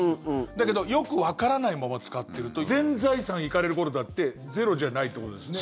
だけどよくわからないまま使っていると全財産行かれることだってゼロじゃないってことですね。